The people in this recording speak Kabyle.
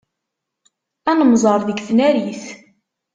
Ad nemmẓer deg tnarit.